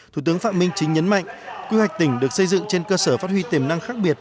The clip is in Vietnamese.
thủ tướng phạm minh chính nhấn mạnh quy hoạch tỉnh được xây dựng trên cơ sở phát huy tiềm năng khác biệt